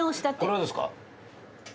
これはどうですか？